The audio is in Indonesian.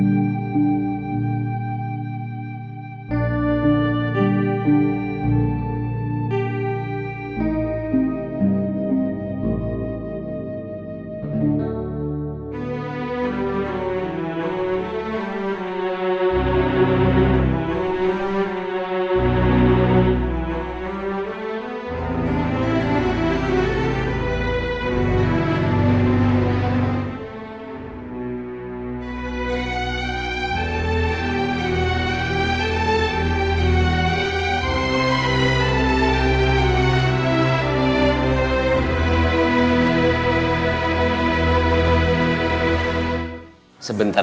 nanti aku jelasin ya